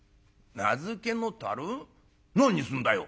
何にすんだよ」。